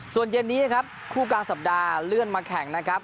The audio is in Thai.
ส่วนเย็นนี้ครับคู่กลางสัปดาห์เลื่อนมาแข่งนะครับ